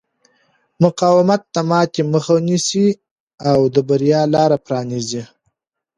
مقاومت د ماتې مخه نیسي او د بریا لارې پرانیزي.